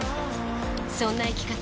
そんな生き方